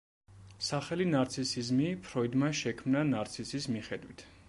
სახელი „ნარცისიზმი“ ფროიდმა შექმნა ნარცისის მიხედვით.